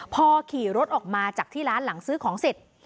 พอขี่รถออกมาจากที่ร้านหลังซื้อของเสร็จ